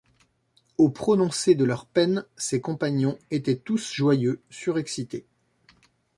Au prononcé de leur peine ses compagnons étaient tous joyeux, surexcités.